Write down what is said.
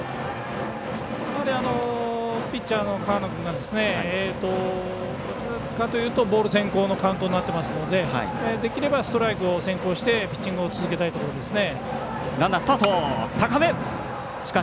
ピッチャーの河野君がどちらかというとボール先行のカウントとなっていますのでできれば、ストライク先行してピッチング続けたいところですね。